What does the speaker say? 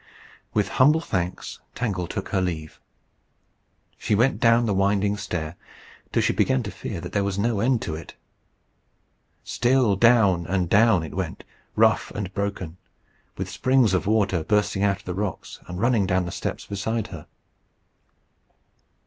With humble thanks Tangle took her leave. She went down the winding stair, till she began to fear there was no end to it. Still down and down it went, rough and broken, with springs of water bursting out of the rocks and running down the steps beside her.